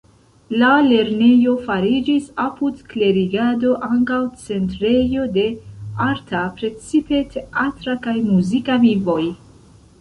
La lernejo fariĝis apud klerigado ankaŭ centrejo de arta, precipe teatra kaj muzika vivoj.